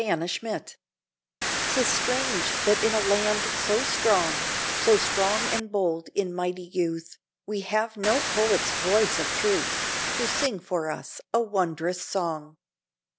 Song of the Future 'Tis strange that in a land so strong, So strong and bold in mighty youth, We have no poet's voice of truth To sing for us a wondrous song.